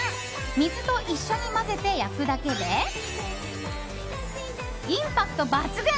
水と一緒に混ぜて焼くだけでインパクト抜群！